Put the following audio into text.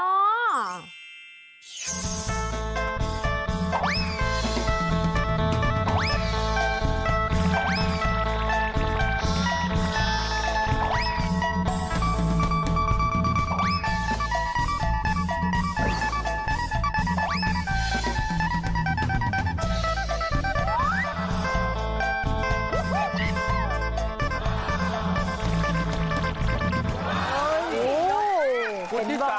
โอ้โฮเห็นก่อนเห็นว่าล่ะคุณที่สามแม่งตับเตาแม่งอียาง